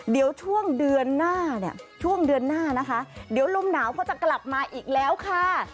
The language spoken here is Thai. เดี๋ยวช่วงเดือนหน้าเนี่ยช่วงเดือนหน้านะคะเดี๋ยวลมหนาวเขาจะกลับมาอีกแล้วค่ะ